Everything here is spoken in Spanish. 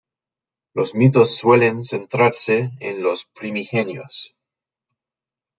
Los mitos suelen centrarse en los primigenios.